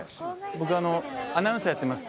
僕アナウンサーやってます